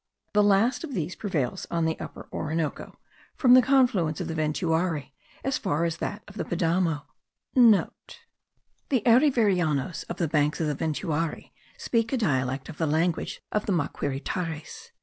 The last of these prevails on the Upper Orinoco, from the confluence of the Ventuari as far as that of the Padamo (* The Arivirianos of the banks of the Ventuari speak a dialect of the language of the Maquiritares.